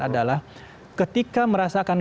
adalah ketika merasakan